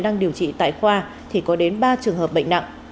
đang điều trị tại khoa thì có đến ba trường hợp bệnh nặng